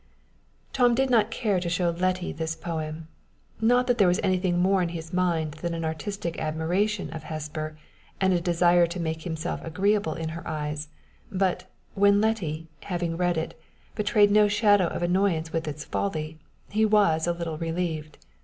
Tom did not care to show Letty this poem not that there was anything more in his mind than an artistic admiration of Hesper, and a desire to make himself agreeable in her eyes; but, when Letty, having read it, betrayed no shadow of annoyance with its folly, he was a little relieved.